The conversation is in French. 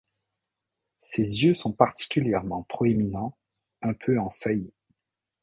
Ses yeux sont particulièrement proéminents, un peu en saillie.